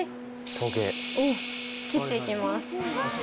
トゲ。を切っていきます。